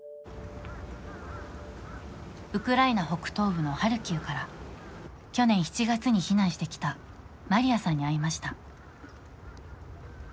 ウクライナ北東部のハルキウから、去年７月に避難してきたマリアさんに会いました。